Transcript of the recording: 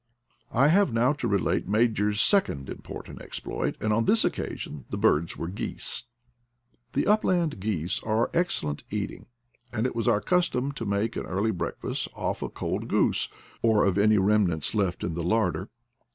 I have now to relate Major's second important exploit, and on this occasion the birds were geese. The upland geese are excellent eating, and it was our custom to make an early breakfast off a cold goose, or of any remnants left in the larder.